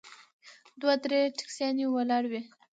دوه درې ټیکسیانې ولاړې وې.